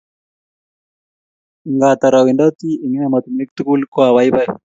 ngatar a wendati eng ematunwek tugul ko a bai bai